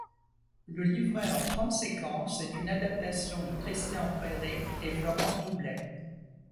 Le livret en trente séquences est une adaptation de Kristian Frédric et Florence Doublet.